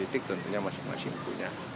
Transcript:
tentunya masing masing punya